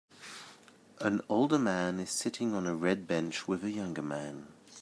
An older man is sitting on a red bench with a younger man.